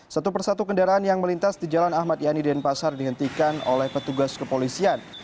satu persatu kendaraan yang melintas di jalan ahmad yani denpasar dihentikan oleh petugas kepolisian